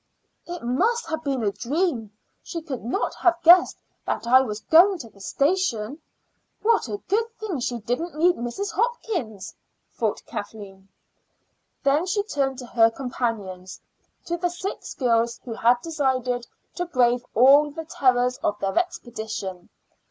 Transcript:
"It must have been a dream; she could not have guessed that I was going to the station. What a good thing she didn't meet Mrs. Hopkins!" thought Kathleen. Then she turned to her companions to the six girls who had decided to brave all the terrors of their expedition.